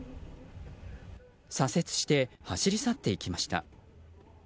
左折して走り去っていきました。